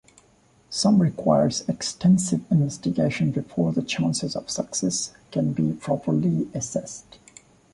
Some require extensive investigation before the chances of success can be properly assessed.